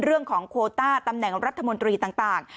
เรื่องของโควต้าตำแหน่งรัฐมนตรีต่าง